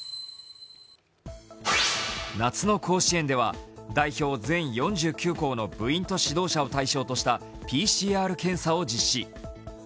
夏の甲子園では代表全４９校の部員と指導者を対象にしたＰＣＲ検査を実施。